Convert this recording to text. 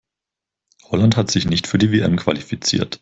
Holland hat sich nicht für die WM qualifiziert.